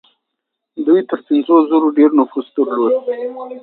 دوی تر پنځو زرو ډېر نفوس درلود.